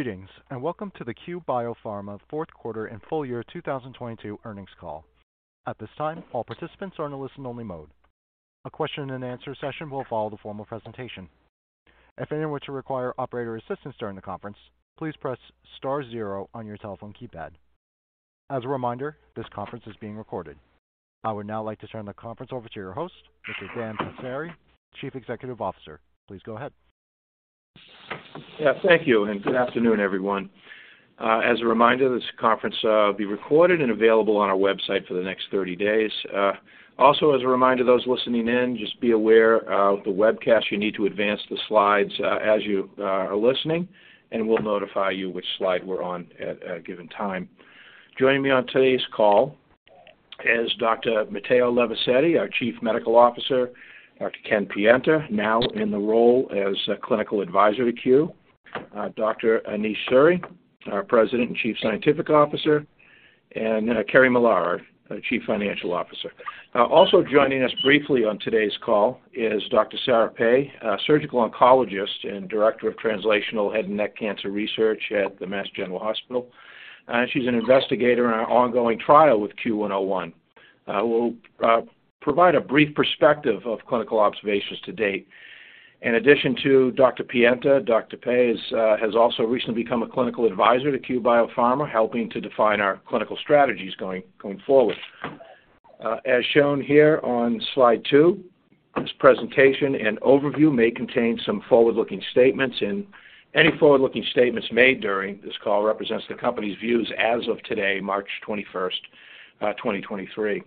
Greetings, welcome to the Cue Biopharma fourth quarter and full year 2022 earnings call. At this time, all participants are in a listen only mode. A question-and-answer session will follow the formal presentation. If anyone were to require operator assistance during the conference, please press star zero on your telephone keypad. As a reminder, this conference is being recorded. I would now like to turn the conference over to your host, Mr. Dan Passeri, Chief Executive Officer. Please go ahead. Yeah, thank you, and good afternoon, everyone. As a reminder, this conference will be recorded and available on our website for the next 30 days. Also as a reminder, those listening in, just be aware of the webcast. You need to advance the slides as you are listening, and we'll notify you which slide we're on at a given time. Joining me on today's call is Dr. Matteo Levisetti, our Chief Medical Officer, Dr. Ken Pienta, now in the role as Clinical Advisor to Cue, Dr. Anish Suri, our President and Chief Scientific Officer, and Kerri-Ann Millar, our Chief Financial Officer. Also joining us briefly on today's call is Dr. Sara Pai, a surgical oncologist and Director of Translational Head and Neck Cancer Research at the Mass General Hospital. She's an investigator in our ongoing trial with CUE-101. We'll provide a brief perspective of clinical observations to date. In addition to Dr. Pienta, Dr. Pai has also recently become a clinical advisor to Cue Biopharma, helping to define our clinical strategies going forward. As shown here on Slide 2, this presentation and overview may contain some forward-looking statements. Any forward-looking statements made during this call represents the company's views as of today, March 21st, 2023.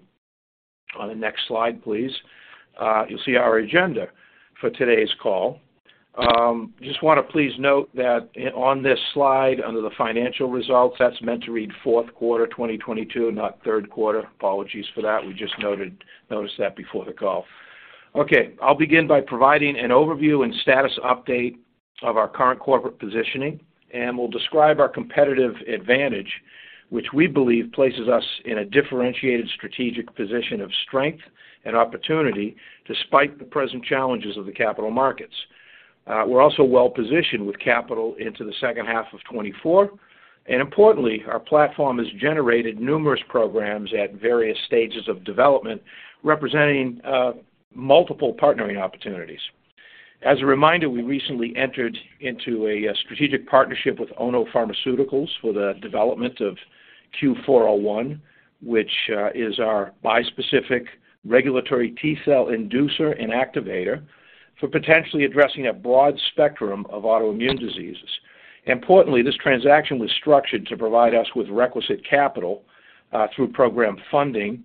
On the next slide, please, you'll see our agenda for today's call. Just wanna please note that on this slide, under the financial results, that's meant to read fourth quarter 2022, not third quarter. Apologies for that. We just noticed that before the call. Okay, I'll begin by providing an overview and status update of our current corporate positioning, and we'll describe our competitive advantage, which we believe places us in a differentiated strategic position of strength and opportunity despite the present challenges of the capital markets. We're also well-positioned with capital into the second half of 2024. Importantly, our platform has generated numerous programs at various stages of development, representing, multiple partnering opportunities. As a reminder, we recently entered into a strategic partnership with Ono Pharmaceutical for the development of CUE-401, which, is our bispecific regulatory T-cell inducer and activator for potentially addressing a broad spectrum of autoimmune diseases. Importantly, this transaction was structured to provide us with requisite capital through program funding,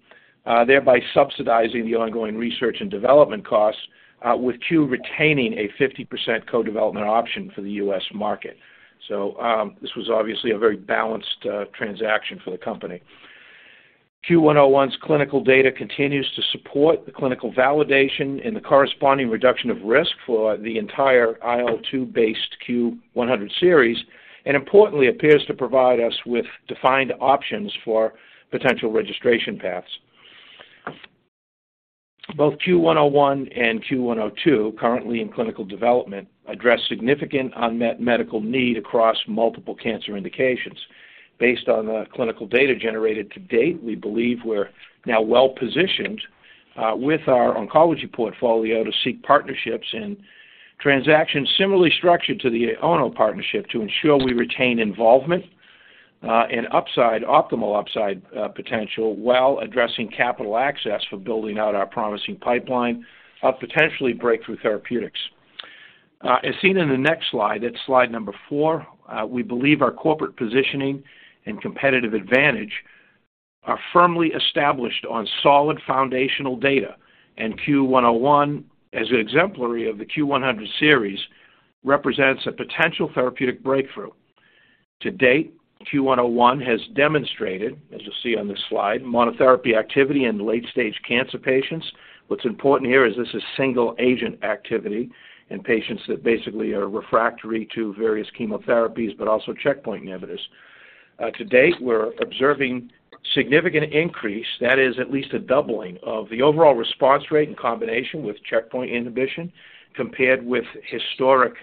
thereby subsidizing the ongoing research and development costs, with Cue retaining a 50% co-development option for the U.S. market. This was obviously a very balanced transaction for the company. CUE-101's clinical data continues to support the clinical validation and the corresponding reduction of risk for the entire IL-2 based CUE-100 series, and importantly, appears to provide us with defined options for potential registration paths. Both CUE-101 and CUE-102, currently in clinical development, address significant unmet medical need across multiple cancer indications. Based on the clinical data generated to date, we believe we're now well-positioned with our oncology portfolio to seek partnerships and transactions similarly structured to the Ono partnership to ensure we retain involvement and upside, optimal upside potential, while addressing capital access for building out our promising pipeline of potentially breakthrough therapeutics. As seen in the next slide, it's Slide number 4, we believe our corporate positioning and competitive advantage are firmly established on solid foundational data, and CUE-101, as exemplary of the CUE-100 series, represents a potential therapeutic breakthrough. To date, CUE-101 has demonstrated, as you'll see on this slide, monotherapy activity in late-stage cancer patients. What's important here is this is single agent activity in patients that basically are refractory to various chemotherapies, but also checkpoint inhibitors. To date, we're observing significant increase, that is at least a doubling, of the overall response rate in combination with checkpoint inhibition compared with historic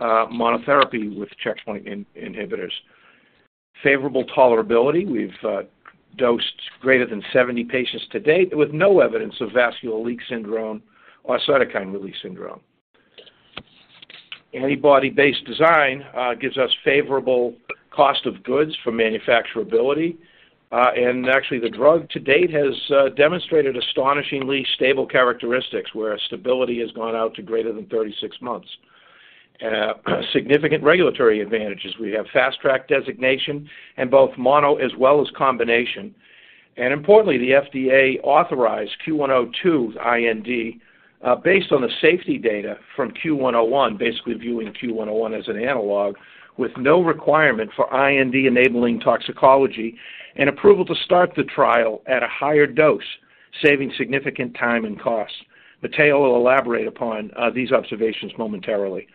monotherapy with checkpoint inhibitors. Favorable tolerability, we've dosed greater than 70 patients to date with no evidence of vascular leak syndrome or cytokine release syndrome. Antibody-based design gives us favorable cost of goods for manufacturability. Actually the drug to date has demonstrated astonishingly stable characteristics, where stability has gone out to greater than 36 months. Significant regulatory advantages. We have Fast Track designation in both mono as well as combination. Importantly, the FDA authorized CUE-102's IND based on the safety data from CUE-101, basically viewing CUE-101 as an analog with no requirement for IND-enabling toxicology and approval to start the trial at a higher dose, saving significant time and cost. Matteo will elaborate upon these observations momentarily.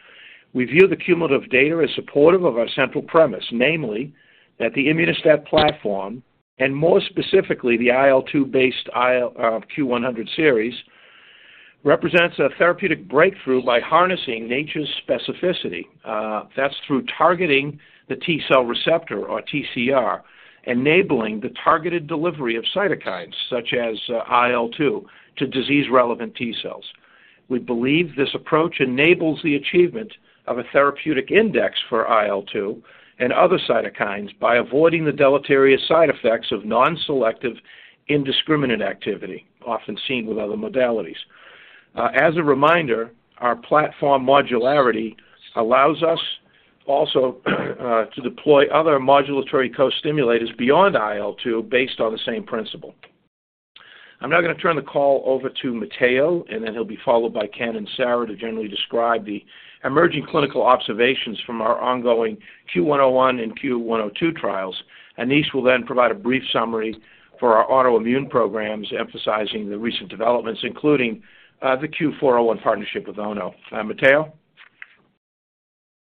We view the cumulative data as supportive of our central premise, namely that the Immuno-STAT platform, and more specifically the IL-2 based CUE-100 series represents a therapeutic breakthrough by harnessing nature's specificity. That's through targeting the T-cell receptor or TCR, enabling the targeted delivery of cytokines such as IL-2 to disease-relevant T-cells. We believe this approach enables the achievement of a therapeutic index for IL-2 and other cytokines by avoiding the deleterious side effects of non-selective indiscriminate activity often seen with other modalities. as a reminder, our platform modularity allows us also to deploy other modulatory co-stimulators beyond IL-2 based on the same principle. I'm now gonna turn the call over to Matteo, then he'll be followed by Ken and Sara to generally describe the emerging clinical observations from our ongoing CUE-101 and CUE-102 trials. These will then provide a brief summary for our autoimmune programs, emphasizing the recent developments, including the CUE-401 partnership with Ono. Matteo.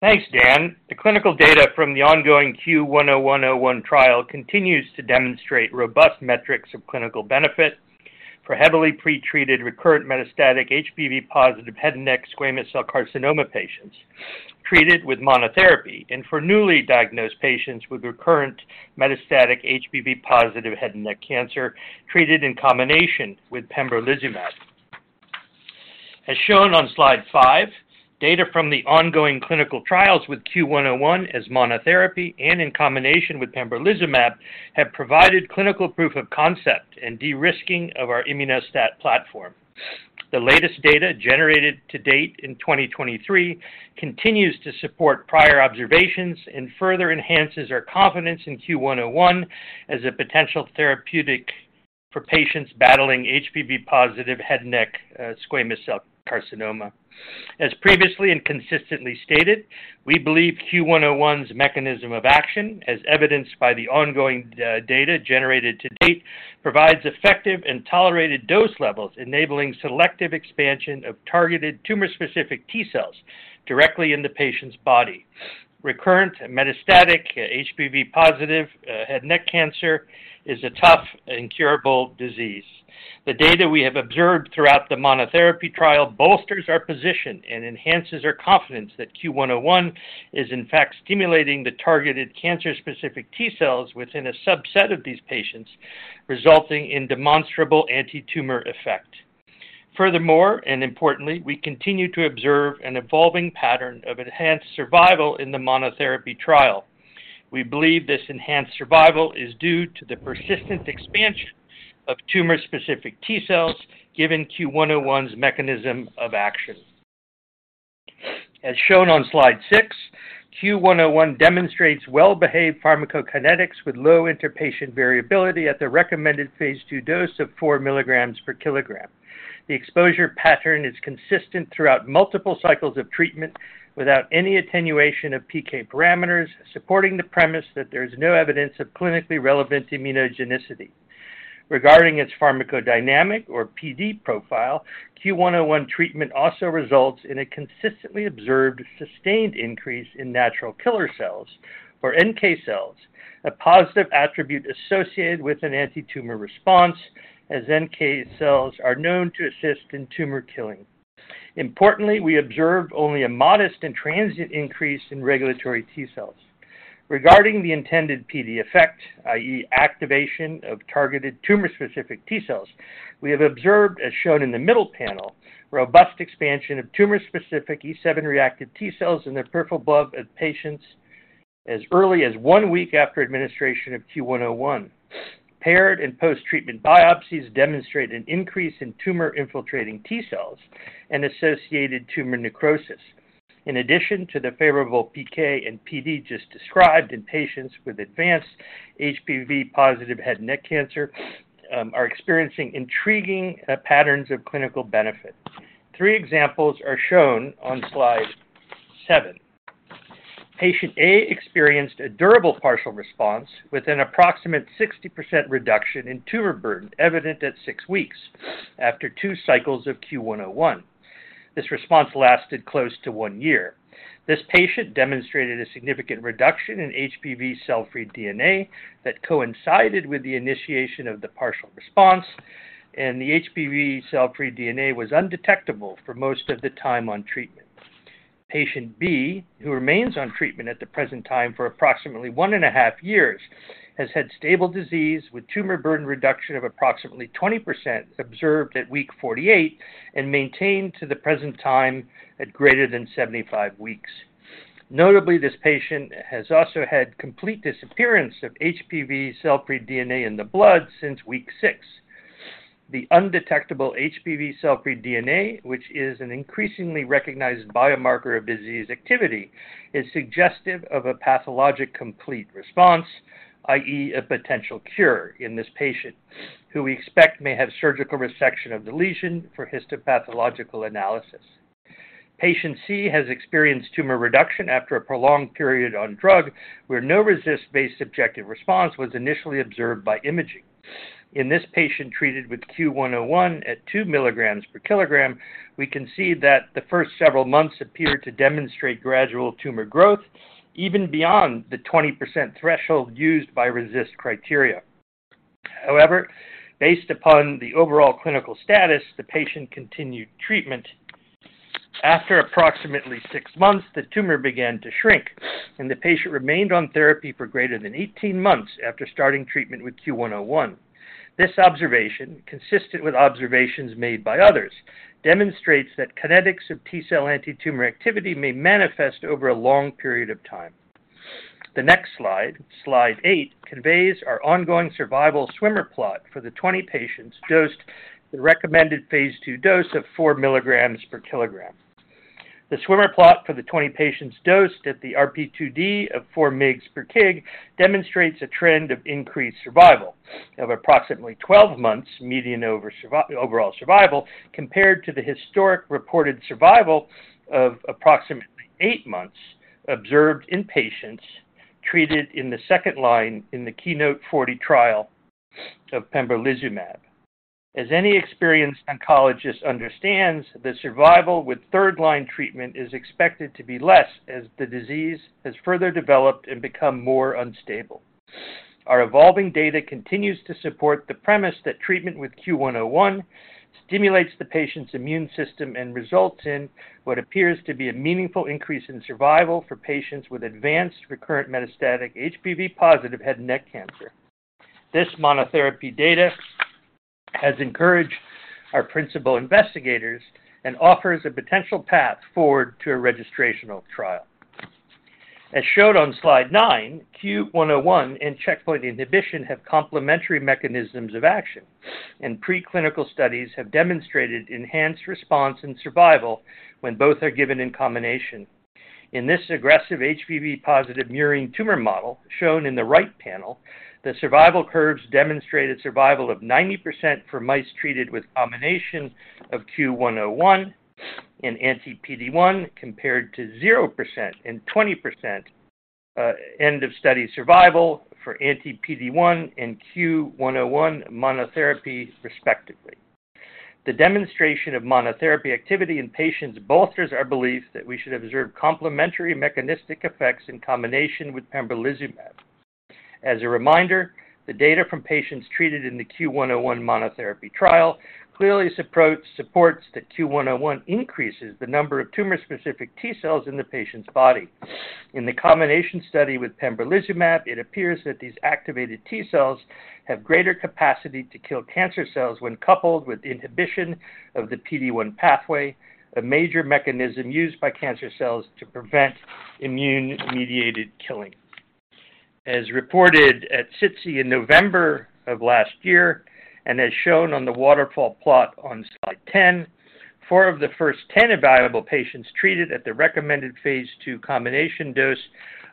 Thanks, Dan. The clinical data from the ongoing CUE-101 trial continues to demonstrate robust metrics of clinical benefit for heavily pretreated recurrent metastatic HPV-positive head and neck squamous cell carcinoma patients treated with monotherapy and for newly diagnosed patients with recurrent metastatic HPV-positive head and neck cancer treated in combination with pembrolizumab. As shown on Slide 5, data from the ongoing clinical trials with CUE-101 as monotherapy and in combination with pembrolizumab have provided clinical proof of concept and de-risking of our Immuno-STAT platform. The latest data generated to date in 2023 continues to support prior observations and further enhances our confidence in CUE-101 as a potential therapeutic for patients battling HPV-positive head and neck squamous cell carcinoma. As previously and consistently stated, we believe CUE-101's mechanism of action, as evidenced by the ongoing data generated to date, provides effective and tolerated dose levels, enabling selective expansion of targeted tumor-specific T-cells directly in the patient's body. Recurrent metastatic HPV+ head neck cancer is a tough incurable disease. The data we have observed throughout the monotherapy trial bolsters our position and enhances our confidence that CUE-101 is in fact stimulating the targeted cancer-specific T-cells within a subset of these patients, resulting in demonstrable antitumor effect. Furthermore, importantly, we continue to observe an evolving pattern of enhanced survival in the monotherapy trial. We believe this enhanced survival is due to the persistent expansion of tumor-specific T-cells given CUE-101's mechanism of action. As shown on Slide 6, CUE-101 demonstrates well-behaved pharmacokinetics with low interpatient variability at the recommended phase II dose of 4 mg/kg. The exposure pattern is consistent throughout multiple cycles of treatment without any attenuation of PK parameters, supporting the premise that there is no evidence of clinically relevant immunogenicity. Regarding its pharmacodynamic or PD profile, CUE-101 treatment also results in a consistently observed sustained increase in natural killer cells or NK cells, a positive attribute associated with an antitumor response, as NK cells are known to assist in tumor killing. Importantly, we observed only a modest and transient increase in regulatory T-cells. Regarding the intended PD effect, i.e., activation of targeted tumor-specific T-cells, we have observed, as shown in the middle panel, robust expansion of tumor-specific E7-reactive T-cells in the peripheral blood of patients as early as one week after administration of CUE-101. Paired and post-treatment biopsies demonstrate an increase in tumor-infiltrating T-cells and associated tumor necrosis. In addition to the favorable PK and PD just described in patients with advanced HPV-positive head and neck cancer, are experiencing intriguing patterns of clinical benefit. Three examples are shown on Slide 7. Patient A experienced a durable partial response with an approximate 60% reduction in tumor burden evident at six weeks after two cycles of CUE-101. This response lasted close to one year. This patient demonstrated a significant reduction in HPV cell-free DNA that coincided with the initiation of the partial response, and the HPV cell-free DNA was undetectable for most of the time on treatment. Patient B, who remains on treatment at the present time for approximately 1.5 years, has had stable disease with tumor burden reduction of approximately 20% observed at week 48 and maintained to the present time at greater than 75 weeks. Notably, this patient has also had complete disappearance of HPV cell-free DNA in the blood since week six. The undetectable HPV cell-free DNA, which is an increasingly recognized biomarker of disease activity, is suggestive of a pathologic complete response, i.e., a potential cure in this patient who we expect may have surgical resection of the lesion for histopathological analysis. Patient C has experienced tumor reduction after a prolonged period on drug where no RECIST-based subjective response was initially observed by imaging. In this patient treated with CUE-101 at 2 mg/kg, we can see that the first several months appeared to demonstrate gradual tumor growth even beyond the 20% threshold used by RECIST criteria. However, based upon the overall clinical status, the patient continued treatment. After approximately six months, the tumor began to shrink, and the patient remained on therapy for greater than 18 months after starting treatment with CUE-101. This observation, consistent with observations made by others, demonstrates that kinetics of T-cell antitumor activity may manifest over a long period of time. The next Slide 8, conveys our ongoing survival swimmer plot for the 20 patients dosed the recommended phase II dose of 4 mg/kg. The swimmer plot for the 20 patients dosed at the RP2D of 4 mg/kg Demonstrates a trend of increased survival of approximately 12 months median overall survival compared to the historic reported survival of approximately eight months observed in patients treated in the second-line in the KEYNOTE-040 trial of pembrolizumab. As any experienced oncologist understands, the survival with third-line treatment is expected to be less as the disease has further developed and become more unstable. Our evolving data continues to support the premise that treatment with CUE-101 stimulates the patient's immune system and results in what appears to be a meaningful increase in survival for patients with advanced recurrent metastatic HPV-positive head and neck cancer. This monotherapy data has encouraged our principal investigators and offers a potential path forward to a registrational trial. As shown on Slide 9, CUE-101 and checkpoint inhibition have complementary mechanisms of action, and preclinical studies have demonstrated enhanced response and survival when both are given in combination. In this aggressive HPV-positive murine tumor model shown in the right panel, the survival curves demonstrated survival of 90% for mice treated with combination of CUE-101 and anti-PD-1 compared to 0% and 20% end-of-study survival for anti-PD-1 and CUE-101 monotherapy respectively. The demonstration of monotherapy activity in patients bolsters our belief that we should observe complementary mechanistic effects in combination with pembrolizumab. As a reminder, the data from patients treated in the CUE-101 monotherapy trial clearly supports that CUE-101 increases the number of tumor-specific T-cells in the patient's body. In the combination study with pembrolizumab, it appears that these activated T-cells have greater capacity to kill cancer cells when coupled with inhibition of the PD-1 pathway, a major mechanism used by cancer cells to prevent immune-mediated killing. As reported at SITC in November of last year and as shown on the waterfall plot on Slide 10, four of the first 10 evaluable patients treated at the recommended phase II combination dose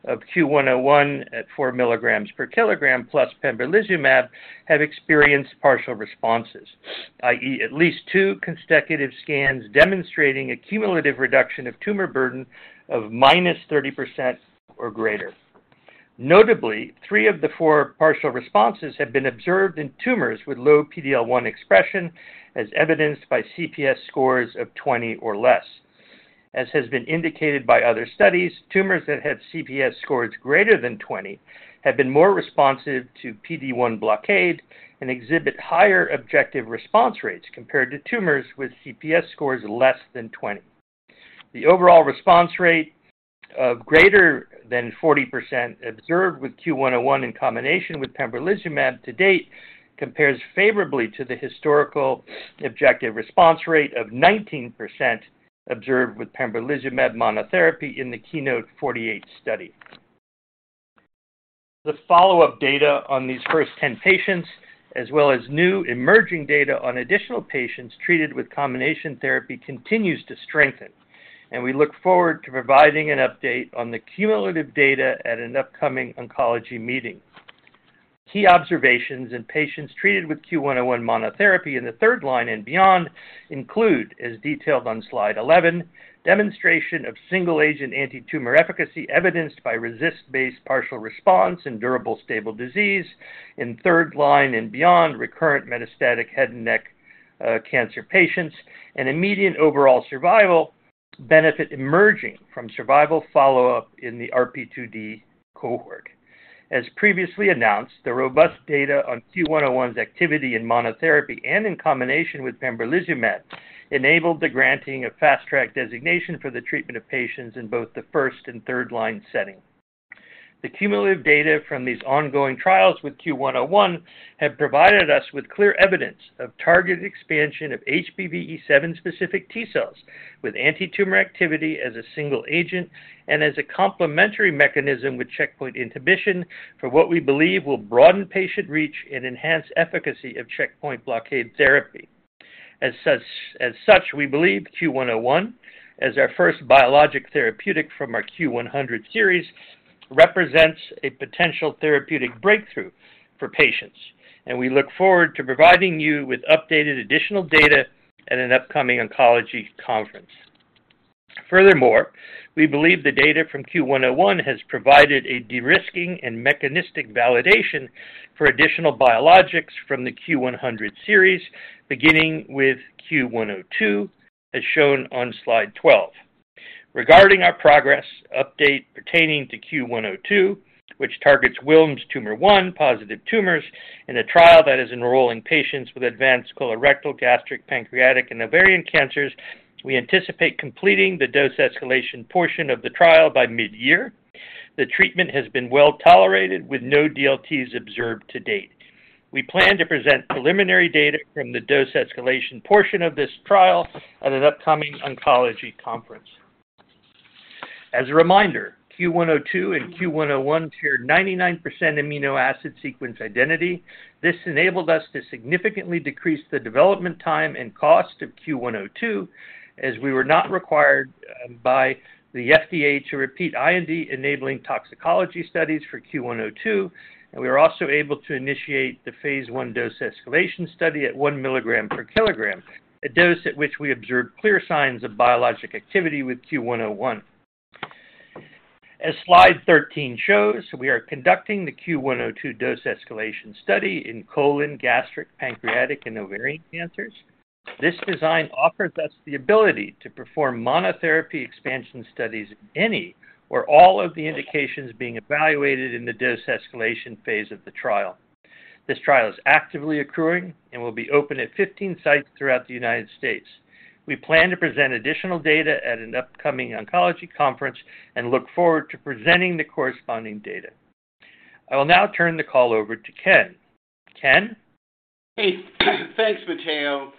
of CUE-101 at 4 mg/kg plus pembrolizumab have experienced partial responses, i.e., at least two consecutive scans demonstrating a cumulative reduction of tumor burden of -30% or greater. Notably, 3/4 partial responses have been observed in tumors with low PD-L1 expression as evidenced by CPS scores of 20 or less. As has been indicated by other studies, tumors that have CPS scores greater than 20 have been more responsive to PD-1 blockade and exhibit higher objective response rates compared to tumors with CPS scores less than 20. The overall response rate of greater than 40% observed with CUE-101 in combination with pembrolizumab to date compares favorably to the historical objective response rate of 19% observed with pembrolizumab monotherapy in the KEYNOTE-048 study. The follow-up data on these first 10 patients as well as new emerging data on additional patients treated with combination therapy continues to strengthen and we look forward to providing an update on the cumulative data at an upcoming oncology meeting. Key observations in patients treated with CUE-101 monotherapy in the third line and beyond include, as detailed on Slide 11, demonstration of single-agent antitumor efficacy evidenced by RECIST-based partial response and durable stable disease in third line and beyond recurrent metastatic head and neck cancer patients and immediate overall survival benefit emerging from survival follow-up in the RP2D cohort. As previously announced, the robust data on CUE-101's activity in monotherapy and in combination with pembrolizumab enabled the granting of Fast Track designation for the treatment of patients in both the first and third-line setting. The cumulative data from these ongoing trials with CUE-101 have provided us with clear evidence of targeted expansion of HPV E7-specific T-cells with antitumor activity as a single agent and as a complementary mechanism with checkpoint inhibition for what we believe will broaden patient reach and enhance efficacy of checkpoint blockade therapy. As such, we believe CUE-101, as our first biologic therapeutic from our CUE-100 series, represents a potential therapeutic breakthrough for patients, and we look forward to providing you with updated additional data at an upcoming oncology conference. Furthermore, we believe the data from CUE-101 has provided a de-risking and mechanistic validation for additional biologics from the CUE-100 series, beginning with CUE-102, as shown on Slide 12. Regarding our progress update pertaining to CUE-102, which targets Wilms' tumor 1 positive tumors in a trial that is enrolling patients with advanced colorectal, gastric, pancreatic, and ovarian cancers, we anticipate completing the dose escalation portion of the trial by mid-year. The treatment has been well-tolerated with no DLTs observed to date. We plan to present preliminary data from the dose escalation portion of this trial at an upcoming oncology conference. As a reminder, CUE-102 and CUE-101 share 99% amino acid sequence identity. This enabled us to significantly decrease the development time and cost of CUE-102, as we were not required by the FDA to repeat IND-enabling toxicology studies for CUE-102, and we were also able to initiate the phase I dose escalation study at 1 mg/kg, a dose at which we observed clear signs of biologic activity with CUE-101. As Slide 13 shows, we are conducting the CUE-102 dose escalation study in colon, gastric, pancreatic, and ovarian cancers. This design offers us the ability to perform monotherapy expansion studies in any where all of the indications being evaluated in the dose escalation phase of the trial. This trial is actively accruing and will be open at 15 sites throughout the United States. We plan to present additional data at an upcoming oncology conference and look forward to presenting the corresponding data. I will now turn the call over to Ken. Ken? Hey. Thanks, Matteo.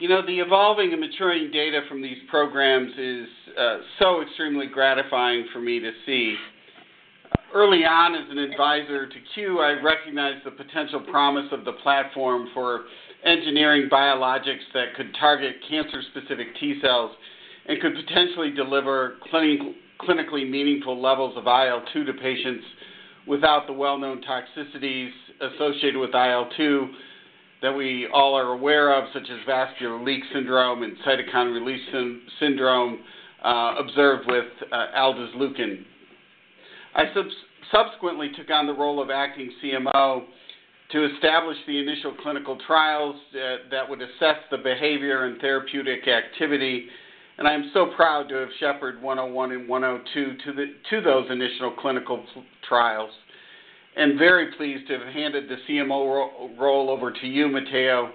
You know, the evolving and maturing data from these programs is so extremely gratifying for me to see. Early on as an advisor to Cue, I recognized the potential promise of the platform for engineering biologics that could target cancer-specific T-cells and could potentially deliver clinically meaningful levels of IL-2 to patients without the well-known toxicities associated with IL-2 that we all are aware of, such as vascular leak syndrome and cytokine release syndrome observed with aldesleukin. I subsequently took on the role of acting CMO to establish the initial clinical trials that would assess the behavior and therapeutic activity, and I'm so proud to have shepherd 101 and 102 to those initial clinical trials. Very pleased to have handed the CMO role over to you, Matteo,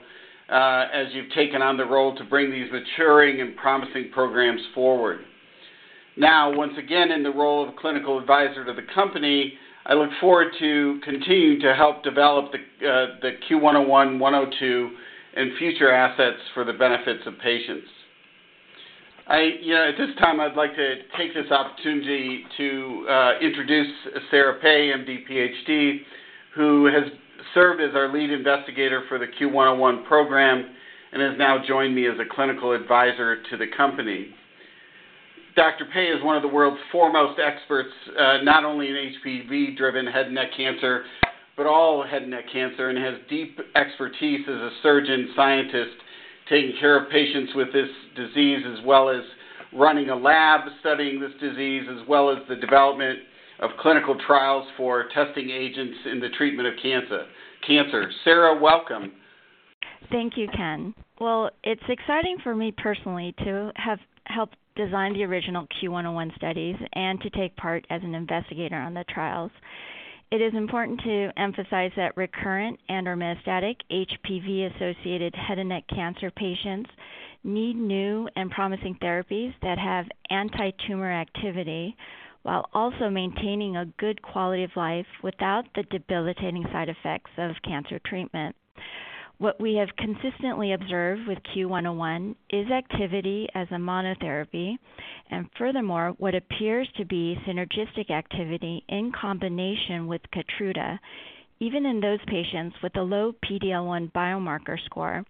as you've taken on the role to bring these maturing and promising programs forward. Now once again in the role of clinical advisor to the company, I look forward to continuing to help develop the CUE-101, one oh two, and future assets for the benefits of patients. You know, at this time, I'd like to take this opportunity to introduce Sara Pai, MD, PhD, who has served as our lead investigator for the CUE-101 program and has now joined me as a clinical advisor to the company. Dr. Pai is one of the world's foremost experts, not only in HPV-driven head neck cancer but all head neck cancer, and has deep expertise as a surgeon scientist taking care of patients with this disease, as well as running a lab studying this disease, as well as the development of clinical trials for testing agents in the treatment of cancer. Sara, welcome. Thank you, Ken. Well, it's exciting for me personally to have helped design the original CUE-101 studies and to take part as an investigator on the trials. It is important to emphasize that recurrent and/or metastatic HPV-associated head and neck cancer patients need new and promising therapies that have anti-tumor activity while also maintaining a good quality of life without the debilitating side effects of cancer treatment. What we have consistently observed with CUE-101 is activity as a monotherapy and, furthermore, what appears to be synergistic activity in combination with KEYTRUDA, even in those patients with a low PD-L1 biomarker score,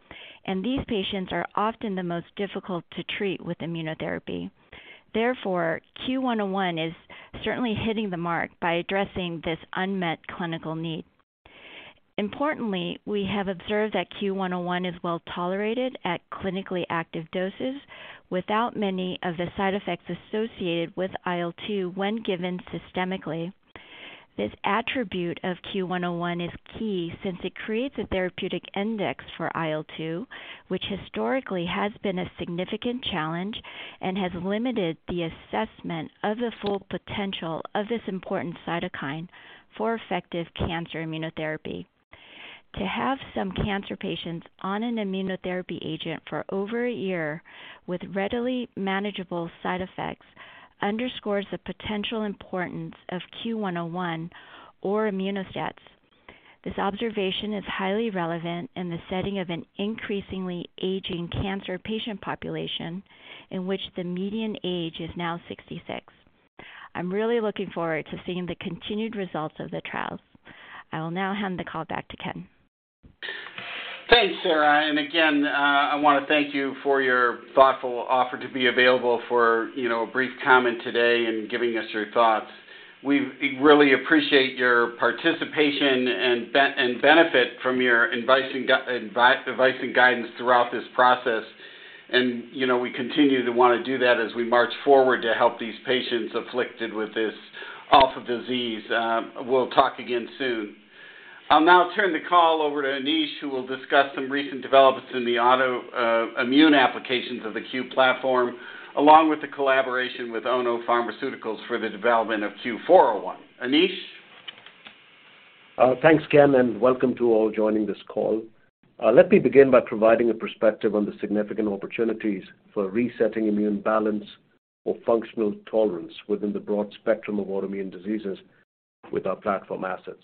and these patients are often the most difficult to treat with immunotherapy. Therefore, CUE-101 is certainly hitting the mark by addressing this unmet clinical need. Importantly, we have observed that CUE-101 is well-tolerated at clinically active doses without many of the side effects associated with IL-2 when given systemically. This attribute of CUE-101 is key since it creates a therapeutic index for IL-2, which historically has been a significant challenge and has limited the assessment of the full potential of this important cytokine for effective cancer immunotherapy. To have some cancer patients on an immunotherapy agent for over a year with readily manageable side effects underscores the potential importance of CUE-101 or Immuno-STATs. This observation is highly relevant in the setting of an increasingly aging cancer patient population in which the median age is now 66. I'm really looking forward to seeing the continued results of the trials. I will now hand the call back to Ken. Thanks, Sara. Again, I wanna thank you for your thoughtful offer to be available for, you know, a brief comment today and giving us your thoughts. We really appreciate your participation and benefit from your advice and guidance throughout this process. You know, we continue to wanna do that as we march forward to help these patients afflicted with this awful disease. We'll talk again soon. I'll now turn the call over to Anish, who will discuss some recent developments in the autoimmune applications of the Cue platform, along with the collaboration with Ono Pharmaceutical for the development of CUE-401. Anish? Thanks, Ken, welcome to all joining this call. Let me begin by providing a perspective on the significant opportunities for resetting immune balance or functional tolerance within the broad spectrum of autoimmune diseases with our platform assets.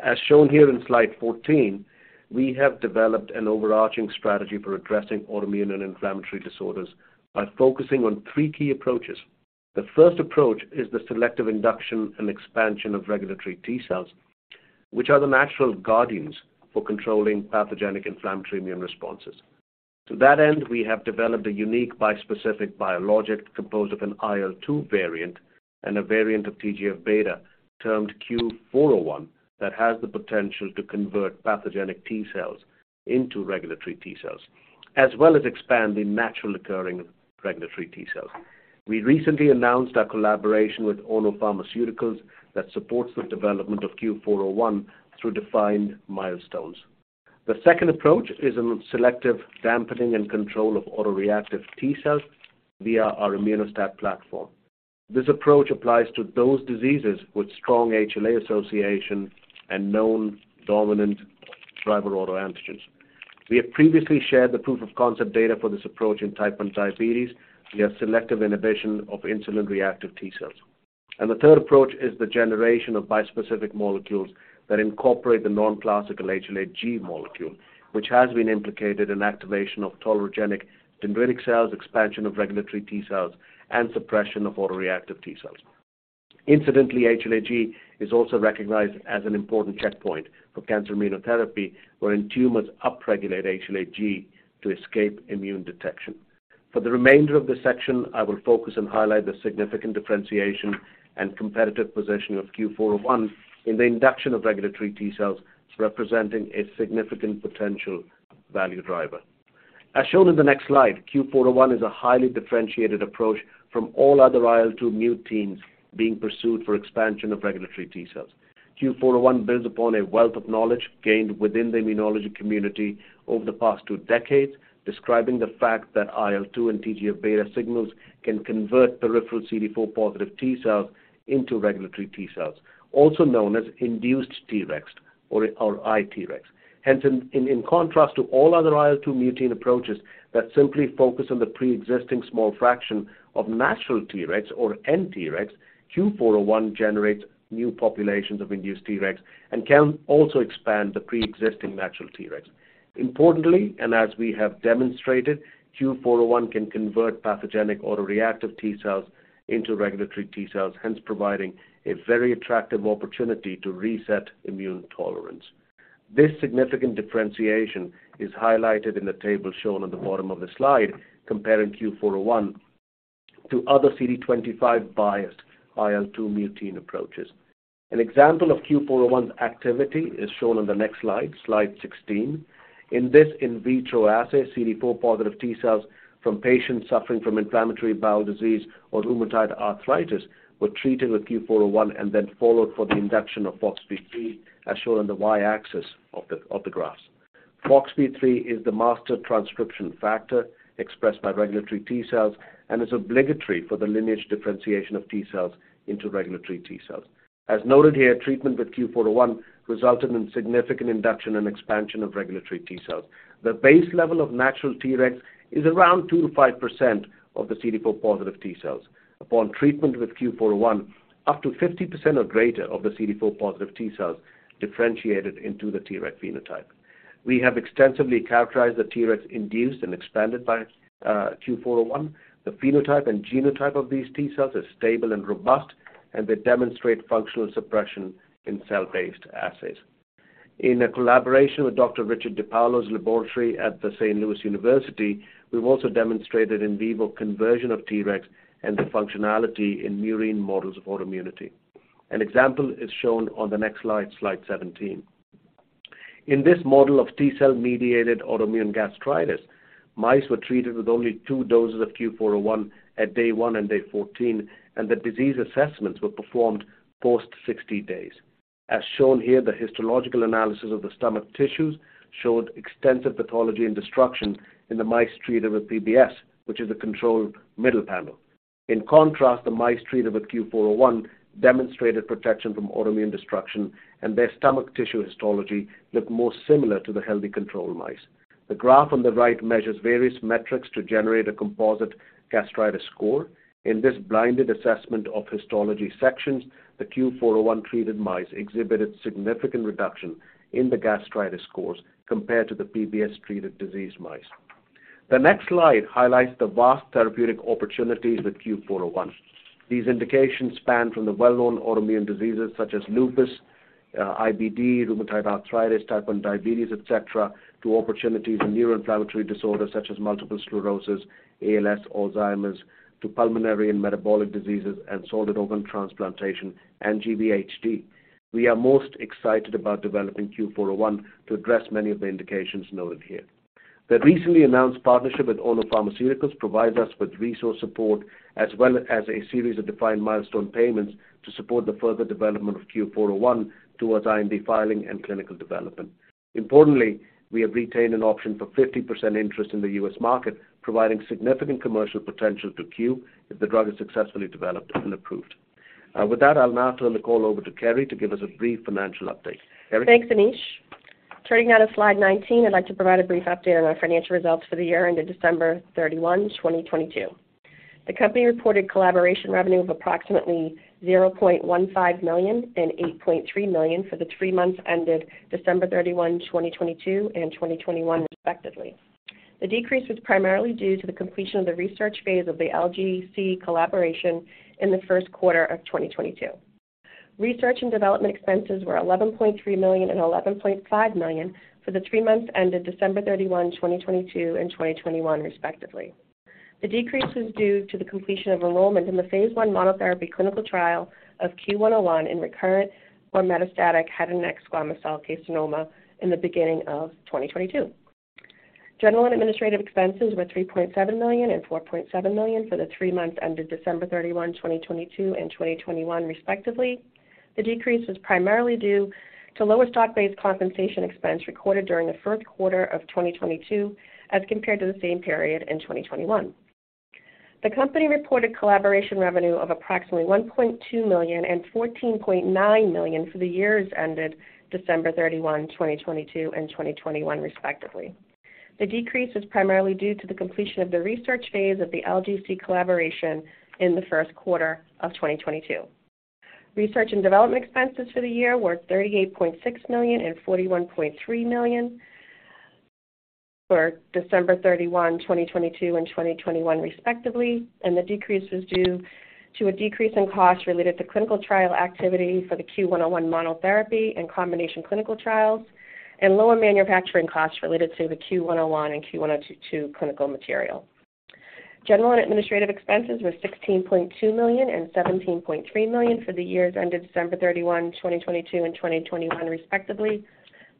As shown here in Slide 14, we have developed an overarching strategy for addressing autoimmune and inflammatory disorders by focusing on three key approaches. The first approach is the selective induction and expansion of regulatory T-cells, which are the natural guardians for controlling pathogenic inflammatory immune responses. To that end, we have developed a unique bispecific biologic composed of an IL-2 variant and a variant of TGF-β, termed CUE-401, that has the potential to convert pathogenic T-cells into regulatory T-cells, as well as expand the naturally occurring regulatory T-cells. We recently announced our collaboration with Ono Pharmaceutical that supports the development of CUE-401 through defined milestones. The second approach is a selective dampening and control of autoreactive T-cells via our Immuno-STAT platform. This approach applies to those diseases with strong HLA association and known dominant driver autoantigens. We have previously shared the proof of concept data for this approach in type 1 diabetes via selective inhibition of insulin reactive T-cells. The third approach is the generation of bispecific molecules that incorporate the nonclassical HLA-G molecule, which has been implicated in activation of tolerogenic dendritic cells, expansion of regulatory T-cells, and suppression of autoreactive T-cells. Incidentally, HLA-G is also recognized as an important checkpoint for cancer immunotherapy, wherein tumors upregulate HLA-G to escape immune detection. For the remainder of this section, I will focus and highlight the significant differentiation and competitive position of CUE-401 in the induction of regulatory T-cells, representing a significant potential value driver. As shown in the next slide, CUE-401 is a highly differentiated approach from all other IL-2 muteins being pursued for expansion of regulatory T-cells. CUE-401 builds upon a wealth of knowledge gained within the immunology community over the past two decades, describing the fact that IL-2 and TGF-β signals can convert peripheral CD4 positive T-cells into regulatory T-cells, also known as induced Tregs or iTregs. Hence, in contrast to all other IL-2 mutein approaches that simply focus on the preexisting small fraction of natural Tregs or nTregs, CUE-401 generates new populations of induced Tregs and can also expand the preexisting natural Tregs. Importantly, and as we have demonstrated, CUE-401 can convert pathogenic autoreactive T-cells into regulatory T-cells, hence providing a very attractive opportunity to reset immune tolerance. This significant differentiation is highlighted in the table shown on the bottom of the slide, comparing CUE-401 to other CD25 biased IL-2 mutein approaches. An example of CUE-401's activity is shown on the next Slide 16. In this in vitro assay, CD4 positive T-cells from patients suffering from inflammatory bowel disease or rheumatoid arthritis were treated with CUE-401 and then followed for the induction of FOXP3, as shown on the y-axis of the graphs. FOXP3 is the master transcription factor expressed by regulatory T-cells and is obligatory for the lineage differentiation of T-cells into regulatory T-cells. As noted here, treatment with CUE-401 resulted in significant induction and expansion of regulatory T-cells. The base level of natural Tregs is around 2%-5% of the CD4 positive T-cells. Upon treatment with CUE-401, up to 50% or greater of the CD4 positive T-cells differentiated into the Treg phenotype. We have extensively characterized the Tregs induced and expanded by CUE-401. The phenotype and genotype of these T-cells are stable and robust, they demonstrate functional suppression in cell-based assays. In a collaboration with Dr. Richard DiPaolo's laboratory at Saint Louis University, we've also demonstrated in vivo conversion of Tregs and their functionality in murine models of autoimmunity. An example is shown on the next Slide 17. In this model of T-cell-mediated autoimmune gastritis, mice were treated with only two doses of CUE-401 at day 1 and day 14, and the disease assessments were performed post 60 days. As shown here, the histological analysis of the stomach tissues showed extensive pathology and destruction in the mice treated with PBS, which is the controlled middle panel. In contrast, the mice treated with CUE-401 demonstrated protection from autoimmune destruction, and their stomach tissue histology looked more similar to the healthy control mice. The graph on the right measures various metrics to generate a composite gastritis score. In this blinded assessment of histology sections, the CUE-401-treated mice exhibited significant reduction in the gastritis scores compared to the PBS-treated diseased mice. The next slide highlights the vast therapeutic opportunities with CUE-401. These indications span from the well-known autoimmune diseases such as lupus, IBD, rheumatoid arthritis, type 1 diabetes, et cetera, to opportunities in neuroinflammatory disorders such as multiple sclerosis, ALS, Alzheimer's, to pulmonary and metabolic diseases and solid organ transplantation and GvHD. We are most excited about developing CUE-401 to address many of the indications noted here. The recently announced partnership with Ono Pharmaceutical provides us with resource support as well as a series of defined milestone payments to support the further development of CUE-401 towards IND filing and clinical development. Importantly, we have retained an option for 50% interest in the U.S. market, providing significant commercial potential to Q if the drug is successfully developed and approved. With that, I'll now turn the call over to Kerri to give us a brief financial update. Kerri? Thanks, Anish. Turning now to Slide 19, I'd like to provide a brief update on our financial results for the year ended December 31, 2022. The company reported collaboration revenue of approximately $0.15 million and $8.3 million for the three months ended December 31, 2022 and 2021 respectively. The decrease was primarily due to the completion of the research phase of the LGC collaboration in the first quarter of 2022. Research and development expenses were $11.3 million and $11.5 million for the three months ended December 31, 2022 and 2021 respectively. The decrease was due to the completion of enrollment in the phase I monotherapy clinical trial of CUE-101 in recurrent or metastatic head and neck squamous cell carcinoma in the beginning of 2022. General and administrative expenses were $3.7 million and $4.7 million for the three months ended December 31, 2022 and 2021 respectively. The decrease was primarily due to lower stock-based compensation expense recorded during the first quarter of 2022 as compared to the same period in 2021. The company reported collaboration revenue of approximately $1.2 million and $14.9 million for the years ended December 31, 2022 and 2021 respectively. The decrease is primarily due to the completion of the research phase of the LGC collaboration in the first quarter of 2022. Research and development expenses for the year were $38.6 million and $41.3 million for December 31, 2022 and 2021 respectively. The decrease was due to a decrease in costs related to clinical trial activity for the CUE-101 monotherapy and combination clinical trials and lower manufacturing costs related to the CUE-101 and CUE-102 clinical material. General and administrative expenses were $16.2 million and $17.3 million for the years ended December 31, 2022 and 2021 respectively.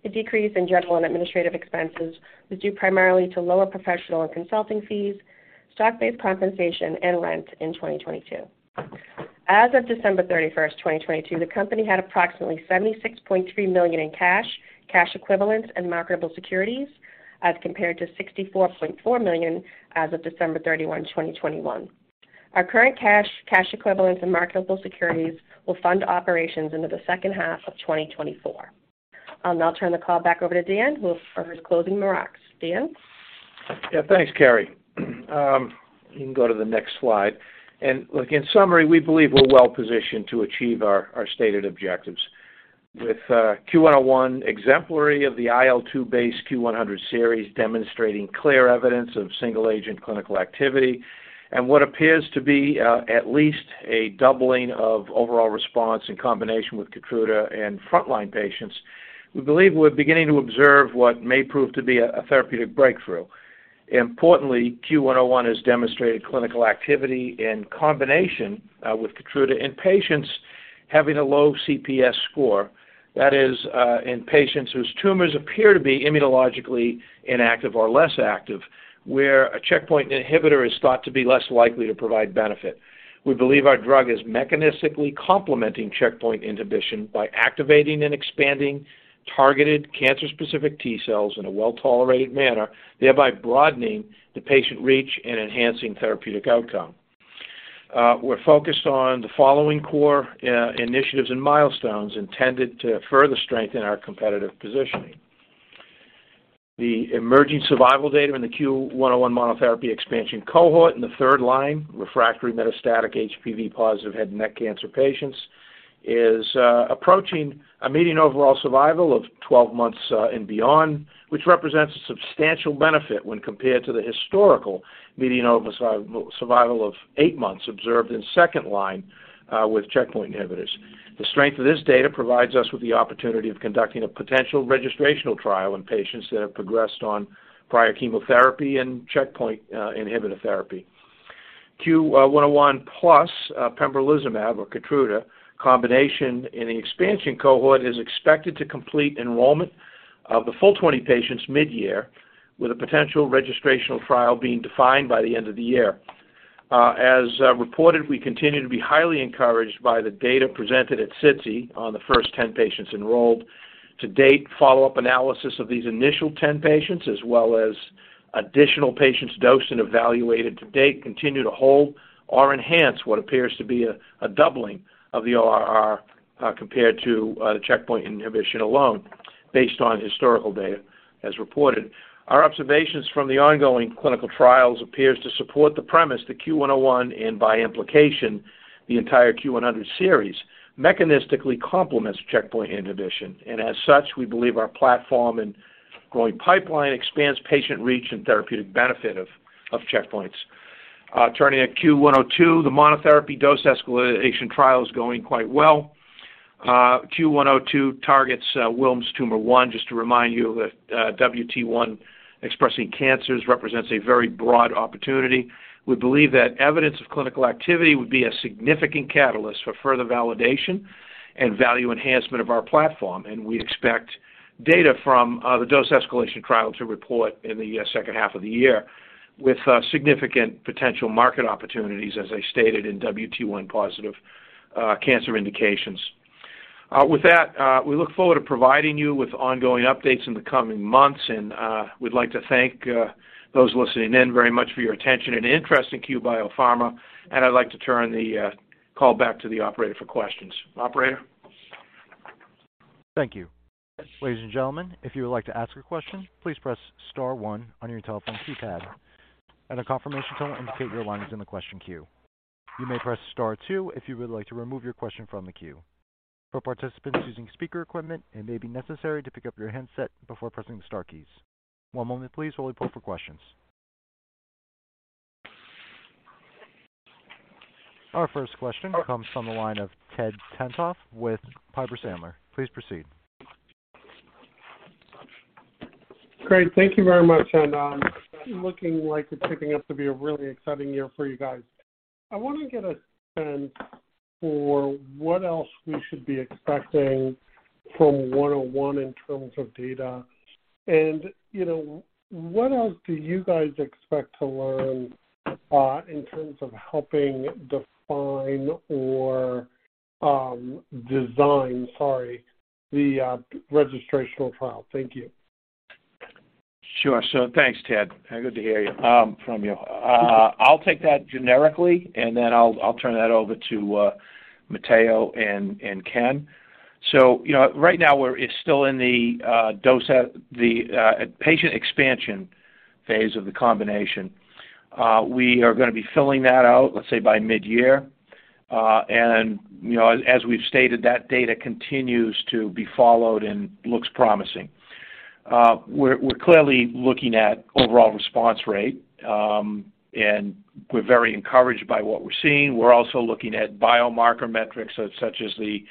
The decrease in general and administrative expenses was due primarily to lower professional and consulting fees, stock-based compensation and rent in 2022. As of December 31, 2022, the company had approximately $76.3 million in cash equivalents and marketable securities as compared to $64.4 million as of December 31, 2021. Our current cash equivalents and marketable securities will fund operations into the second half of 2024. I'll now turn the call back over to Dan for his closing remarks. Dan? Yeah, thanks, Kerri. You can go to the next slide. Look, in summary, we believe we're well positioned to achieve our stated objectives. With CUE-101 exemplary of the IL-2 based CUE-100 series demonstrating clear evidence of single agent clinical activity and what appears to be at least a doubling of overall response in combination with KEYTRUDA in frontline patients, we believe we're beginning to observe what may prove to be a therapeutic breakthrough. Importantly, CUE-101 has demonstrated clinical activity in combination with KEYTRUDA in patients having a low CPS score. That is, in patients whose tumors appear to be immunologically inactive or less active, where a checkpoint inhibitor is thought to be less likely to provide benefit. We believe our drug is mechanistically complementing checkpoint inhibition by activating and expanding targeted cancer-specific T-cells in a well-tolerated manner, thereby broadening the patient reach and enhancing therapeutic outcome. We're focused on the following core initiatives and milestones intended to further strengthen our competitive positioning. The emerging survival data in the CUE-101 monotherapy expansion cohort in the third line, refractory metastatic HPV-positive head and neck squamous cell carcinoma patients, is approaching a median overall survival of 12 months and beyond, which represents a substantial benefit when compared to the historical median survival of eight months observed in second line with checkpoint inhibitors. The strength of this data provides us with the opportunity of conducting a potential registrational trial in patients that have progressed on prior chemotherapy and checkpoint inhibitor therapy. CUE-101 plus pembrolizumab or KEYTRUDA combination in the expansion cohort is expected to complete enrollment of the full 20 patients mid-year, with a potential registrational trial being defined by the end of the year. We continue to be highly encouraged by the data presented at SITC on the first 10 patients enrolled to date follow-up analysis of these initial 10 patients as well as additional patients dosed and evaluated to date continue to hold or enhance what appears to be a doubling of the ORR, compared to the checkpoint inhibition alone based on historical data as reported. Our observations from the ongoing clinical trials appears to support the premise that CUE-101, and by implication the entire CUE-100 series, mechanistically complements checkpoint inhibition. As such, we believe our platform and growing pipeline expands patient reach and therapeutic benefit of checkpoints. Turning at CUE-102, the monotherapy dose escalation trial is going quite well. CUE-102 targets Wilms' tumor 1, just to remind you that WT1 expressing cancers represents a very broad opportunity. We believe that evidence of clinical activity would be a significant catalyst for further validation and value enhancement of our platform, and we expect data from the dose escalation trial to report in the second half of the year with significant potential market opportunities, as I stated in WT1-positive cancer indications. With that, we look forward to providing you with ongoing updates in the coming months, and we'd like to thank those listening in very much for your attention and interest in Cue Biopharma. I'd like to turn the call back to the operator for questions. Operator? Thank you. Ladies and gentlemen, if you would like to ask a question, please press star one on your telephone keypad, and a confirmation tone will indicate you're aligned in the question queue. You may press star two if you would like to remove your question from the queue. For participants using speaker equipment, it may be necessary to pick up your handset before pressing the star keys. One moment please while we pull for questions. Our first question comes from the line of Ted Tenthoff with Piper Sandler. Please proceed. Great, thank you very much. Looking like it's shaping up to be a really exciting year for you guys. I wanna get a sense for what else we should be expecting from CUE-101 in terms of data. You know, what else do you guys expect to learn, in terms of helping define or design, sorry, the registrational trial? Thank you. Sure. Thanks, Ted. Good to hear you from you. I'll take that generically, and then I'll turn that over to Matteo and Ken. You know, right now we're still in the dose at the patient expansion phase of the combination. We are gonna be filling that out, let's say, by mid-year. And, you know, as we've stated, that data continues to be followed and looks promising. We're clearly looking at overall response rate, and we're very encouraged by what we're seeing. We're also looking at biomarker metrics, such as the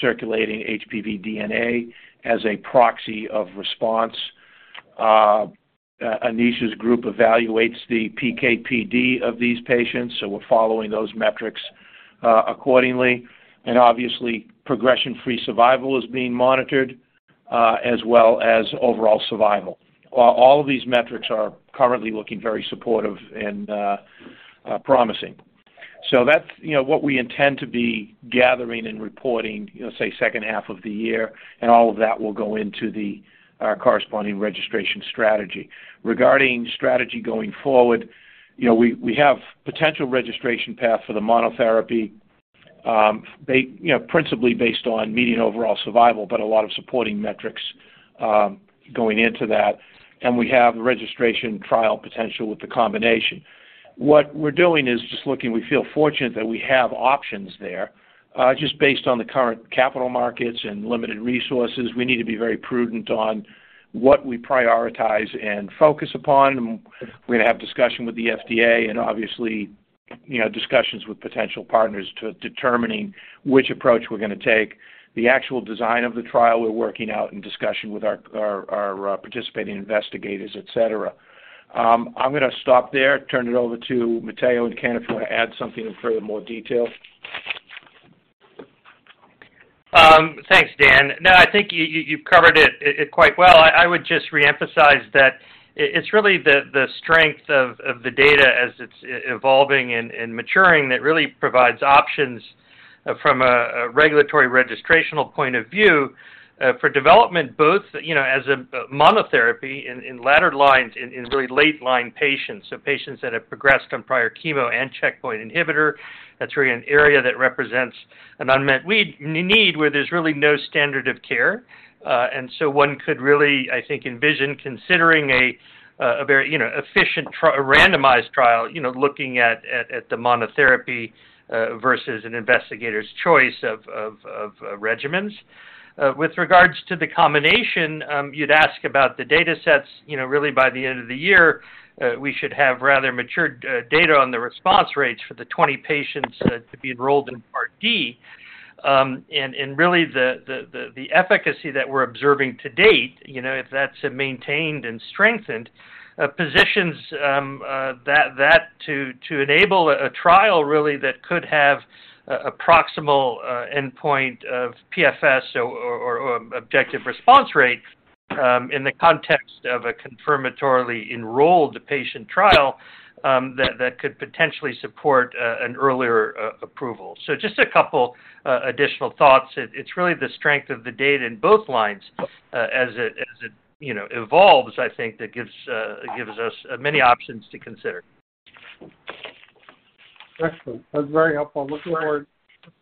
circulating HPV DNA as a proxy of response. Anisha's group evaluates the PK/PD of these patients, so we're following those metrics accordingly. Obviously, progression-free survival is being monitored, as well as overall survival. All of these metrics are currently looking very supportive and promising. That's, you know, what we intend to be gathering and reporting, you know, say second half of the year, and all of that will go into the corresponding registration strategy. Regarding strategy going forward, you know, we have potential registration path for the monotherapy, they, you know, principally based on median overall survival, but a lot of supporting metrics, going into that, and we have the registration trial potential with the combination. What we're doing is just looking, we feel fortunate that we have options there. Just based on the current capital markets and limited resources, we need to be very prudent on what we prioritize and focus upon. We're gonna have discussion with the FDA and obviously, you know, discussions with potential partners to determining which approach we're gonna take. The actual design of the trial we're working out in discussion with our participating investigators, et cetera. I'm gonna stop there, turn it over to Matteo and Ken, if you wanna add something in further more detail. Thanks, Dan. I think you've covered it quite well. I would just reemphasize that it's really the strength of the data as it's evolving and maturing that really provides options from a regulatory registrational point of view for development both, you know, as a monotherapy in latter lines in really late line patients, so patients that have progressed on prior chemo and checkpoint inhibitor. That's really an area that represents an unmet need where there's really no standard of care. One could really, I think, envision considering a very, you know, efficient randomized trial, you know, looking at the monotherapy versus an investigator's choice of regimens. With regards to the combination, you'd ask about the datasets, you know, really by the end of the year, we should have rather matured data on the response rates for the 20 patients that could be enrolled in Part D. And really the efficacy that we're observing to date, you know, if that's maintained and strengthened, positions that to enable a trial really that could have a proximal endpoint of PFS or objective response rate in the context of a confirmatorily enrolled patient trial that could potentially support an earlier approval. Just a couple additional thoughts. It's really the strength of the data in both lines, as it, as it, you know, evolves, I think that gives us many options to consider. Excellent. That's very helpful. Looking forward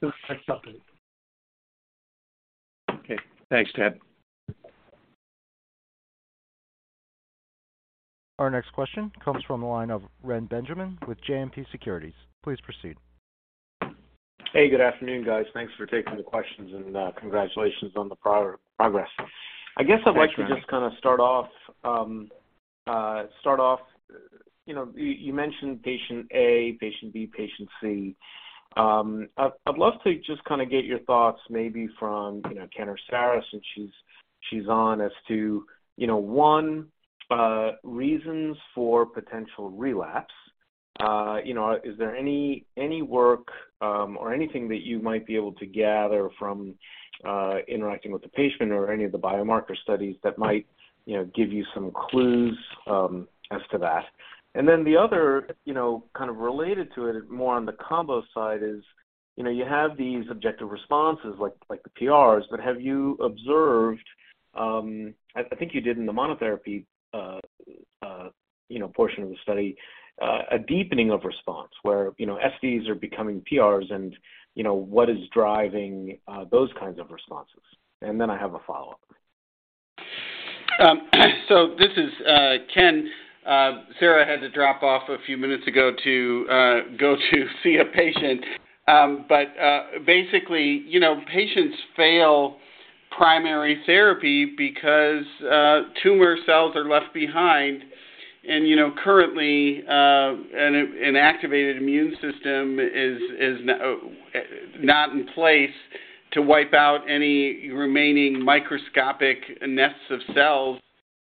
to the next update. Okay. Thanks, Ted. Our next question comes from the line of Reni Benjamin with JMP Securities. Please proceed. Hey, good afternoon, guys. Thanks for taking the questions, and, congratulations on the progress. Thanks, Ren. I guess I'd like to just kinda start off, you know, you mentioned patient A, patient B, patient C. I'd love to just kinda get your thoughts maybe from, you know, Ken or Sara Pai since She's on as to, you know, one reasons for potential relapse. You know, is there any work or anything that you might be able to gather from interacting with the patient or any of the biomarker studies that might, you know, give you some clues as to that? The other, you know, kind of related to it more on the combo side is, you know, you have these objective responses like the PRs, but have you observed, I think you did in the monotherapy, you know, portion of the study, a deepening of response where, you know, SDs are becoming PRs and, you know, what is driving, those kinds of responses. I have a follow-up. This is Ken. Sara had to drop off a few minutes ago to go to see a patient. Basically, you know, patients fail primary therapy because tumor cells are left behind and, you know, currently, an activated immune system is not in place to wipe out any remaining microscopic nests of cells